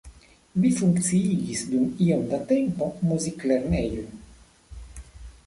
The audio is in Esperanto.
Li funkciigis dum iom da tempo muziklernejon.